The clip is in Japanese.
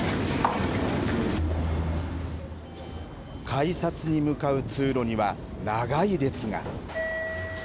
改札に向かう通路には長い列が。